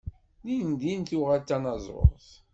Dindin tuɣal d tanaẓurt.